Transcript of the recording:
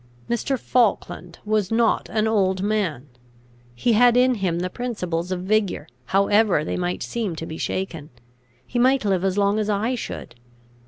Mr. Falkland was not an old man; he had in him the principles of vigour, however they might seem to be shaken; he might live as long as I should.